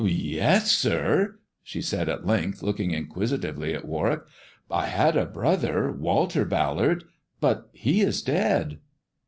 " Yes, sir," she said at length, looking inquisitively at Warwick. " I had a brother, Walter Ballard ; but he is dead."